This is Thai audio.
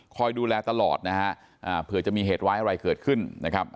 คอยดูแลตลอดนะฮะเผื่อจะมีเหตุร้ายอะไรเกิดขึ้นนะครับ